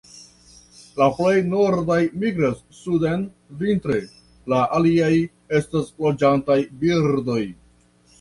La plej nordaj migras suden vintre; la aliaj estas loĝantaj birdoj.